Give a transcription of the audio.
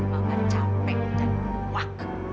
mama capek dan waku